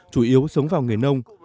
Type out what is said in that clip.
chủ yếu sống vào người nông